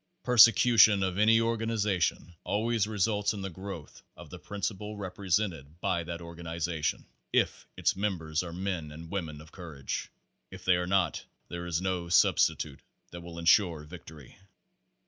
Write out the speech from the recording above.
Persecution of any organization always results in the growth of the principle represented by that organi zation if its members are men and women of courage. If they are not, there is no substitute that will insure victory.